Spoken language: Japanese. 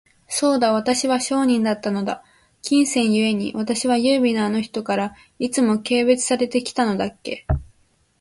そうだ、私は商人だったのだ。金銭ゆえに、私は優美なあの人から、いつも軽蔑されて来たのだっけ。